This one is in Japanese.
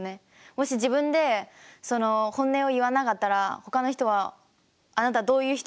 もし自分でその本音を言わなかったらほかの人はあなたどういう人なのか分かんないし。